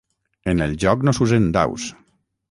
En el joc no s'usen daus.